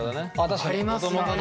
ありますね。